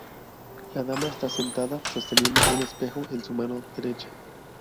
La dama está sentada, sosteniendo un espejo en su mano derecha.